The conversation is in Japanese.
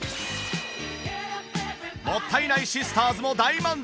もったいないシスターズも大満足。